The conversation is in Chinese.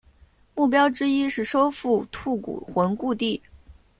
目标之一是收复吐谷浑故地。